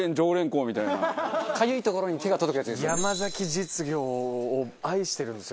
かゆいところに手が届くやつですね。